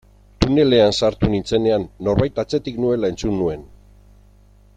Tunelean sartu nintzenean norbait atzetik nuela entzun nuen.